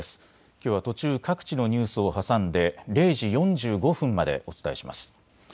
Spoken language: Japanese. きょうは途中、各地のニュースを挟んで０時４５分までお伝えします。